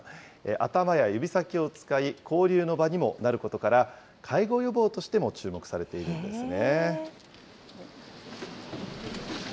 頭や指先を使い、交流の場にもなることから、介護予防としても注目されているんですね。